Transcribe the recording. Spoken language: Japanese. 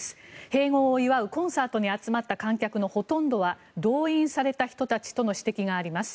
併合を祝うコンサートに集まった観客のほとんどは動員された人たちとの指摘があります。